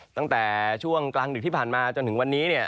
ตั้งแต่ช่วงกลางดึกที่ผ่านมาจนถึงวันนี้เนี่ย